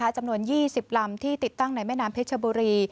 จำนวน๒๐ลำที่ติดตั้งในแม่น้ำเพชรบุรี